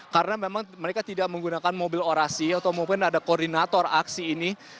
karena memang mereka tidak menggunakan mobil orasi atau mungkin ada koordinator aksi ini